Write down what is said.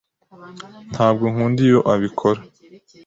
Ntabwo nkunda iyo abikora.